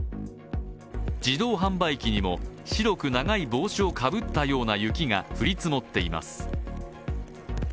自動販売機にも白く長い帽子をかぶったような雪が降り積もっています。